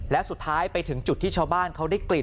และสุดท้ายไปถึงจุดที่ชาวบ้านเขาได้กลิ่น